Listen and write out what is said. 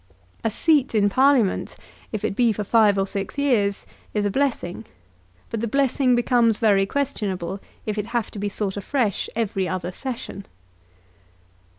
A seat in Parliament, if it be for five or six years, is a blessing; but the blessing becomes very questionable if it have to be sought afresh every other Session.